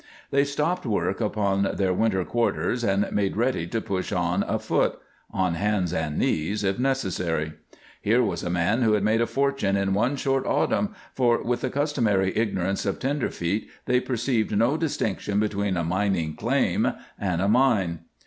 They stopped work upon their winter quarters and made ready to push on afoot on hands and knees, if necessary. Here was a man who had made a fortune in one short autumn, for with the customary ignorance of tenderfeet they perceived no distinction between a mining claim and a mine.